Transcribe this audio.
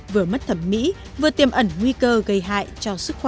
vừa mất thẩm mỹ vừa tiêm ẩn nguy cơ gây hại cho sức khỏe